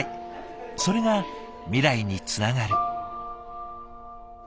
それが未来につながる。